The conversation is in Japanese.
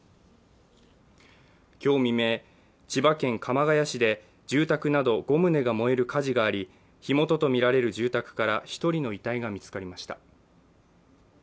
今日未明、千葉県鎌ケ谷市で住宅など５棟が燃える火事があり火元とみられる住宅から１人の遺体が見つかりました。